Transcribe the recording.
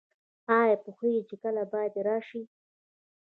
ایا پوهیږئ چې کله باید راشئ؟